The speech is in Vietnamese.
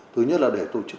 thứ nhất là để tổ chức